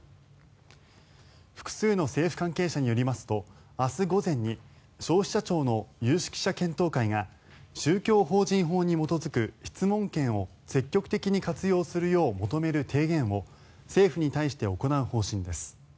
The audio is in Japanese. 複数の政府関係者によりますと明日午前に消費者庁の有識者検討会が宗教法人法に基づく質問権を積極的に活用するよう求める提言を政府に対して行う方針です。